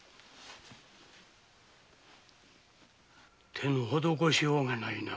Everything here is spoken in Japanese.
手の施しようがないな。